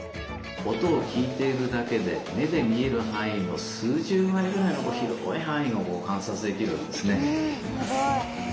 音を聞いているだけで目で見える範囲の数十倍ぐらいの広い範囲を観察できるんですね。